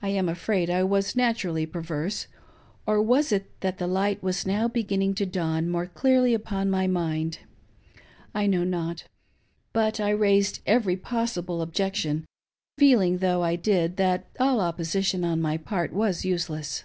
I am afraid I was naturally perverse, — or was it that the light was now begin ning to dawn more clearly upon my niind .' I know not. But I raised every possible objection, feeling, though I did, that all opposition on my part was useless.